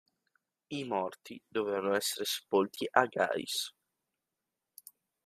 I morti dovevano essere sepolti a Gais.